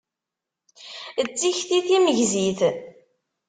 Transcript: D tikti timegzit.